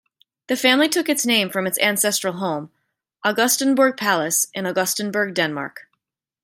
The family took its name from its ancestral home, Augustenborg Palace, in Augustenborg, Denmark.